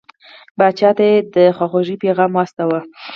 پاچا ته یې د خواخوږی پیغام واستاوه.